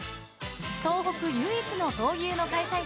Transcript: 東北唯一の闘牛の開催地